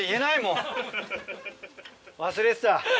忘れてた。